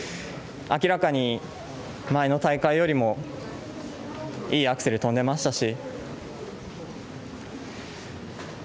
明らかに前の大会よりもいいアクセルを跳んでましたし。